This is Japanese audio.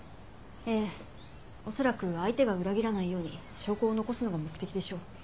ええ恐らく相手が裏切らないように証拠を残すのが目的でしょう。